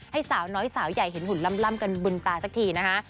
สาวน้อยสาวใหญ่เห็นหุ่นล่ำกันบนตาสักทีนะคะ